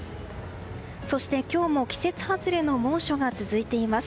そして、今日も季節外れの猛暑が続いています。